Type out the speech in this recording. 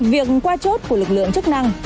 việc qua chốt của lực lượng chức năng